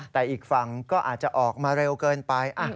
แต่อีกฝั่งก็อาจจะออกมาเร็วเกินไป